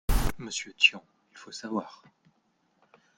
Monsieur Tian, il faut savoir